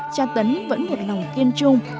cha tấn vẫn một lòng kiên trung